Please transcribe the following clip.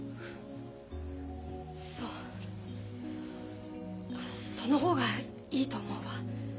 そうその方がいいと思うわ。